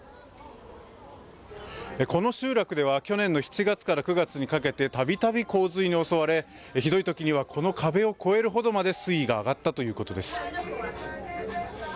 この集落では去年の７月から９月にかけてたびたび洪水に襲われひどい時にはこの壁を越える程まで水位が上がったということです。